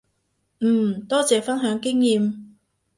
嗯，多謝分享經驗